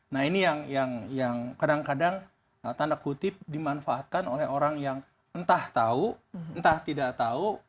nah ini yang kadang kadang tanda kutip dimanfaatkan oleh orang yang entah tahu entah tidak tahu